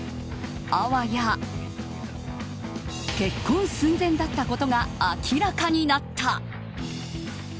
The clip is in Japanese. あわや結婚寸前だったことが明らかになった。